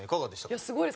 いやすごいです。